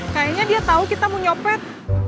kayaknya dia tahu kita mau nyopet